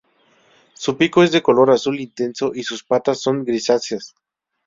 Su pico es de color azul intenso, y sus patas son grisáceas.